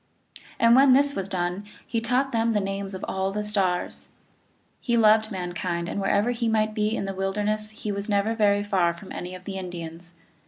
And when this was done he taught them the names of all the stars. He loved mankind, and wherever he might be in the wilderness he was never very far from any of the Indians.